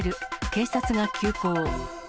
警察が急行。